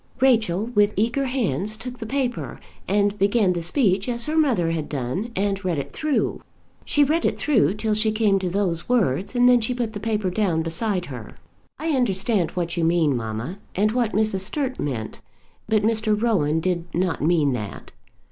Rachel with eager hands took the paper, and began the speech as her mother had done, and read it through. She read it through till she came to those words, and then she put the paper down beside her. "I understand what you mean, mamma, and what Mrs. Sturt meant; but Mr. Rowan did not mean that."